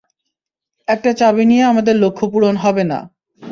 একটা চাবি নিয়ে আমাদের লক্ষ্যপূরণ হবে না।